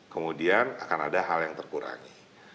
kemudian akan ada hal yang terkurangi